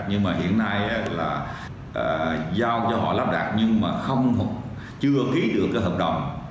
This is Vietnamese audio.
nhưng mà hiện nay là giao cho họ lắp đặt nhưng mà chưa ký được cái hợp đồng